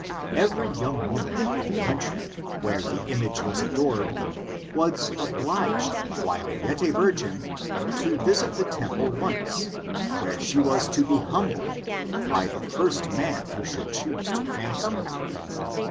Every young woman of the country, where the image was adored, was obliged, while yet a virgin, to visit the temple once, where she was to be humbled, by the first man who should chance to fancy her.